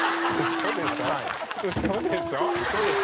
嘘でしょ？